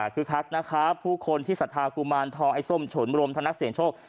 คือคักนะครับผู้คนที่สัทธากุมารทองไอ้ส้มฉุนรวมทั้งนักเสียงโชค